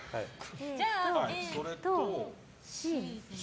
じゃあ、ＡとＣ？